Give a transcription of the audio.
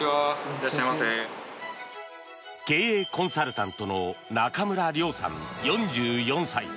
経営コンサルタントの中村領さん、４４歳。